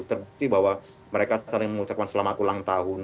terbukti bahwa mereka saling mengucapkan selamat ulang tahun